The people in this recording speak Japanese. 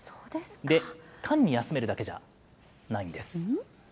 単に休めるだけじゃないんです。